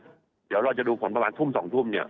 เดี๋ยวเราจะดูผลประมาณทุ่มสองทุ่ม